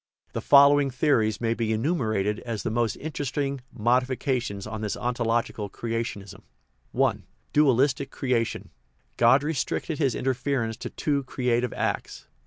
The following theories may be enumerated as the most interesting modifications of this ontological creationism : I. Dwtiistic creation. God restricted his interference to two creative acts.